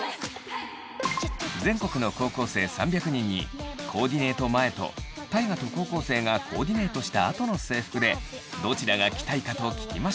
全国の高校生３００人にコーディネート前と大我と高校生がコーディネートしたあとの制服でどちらが着たいかと聞きました。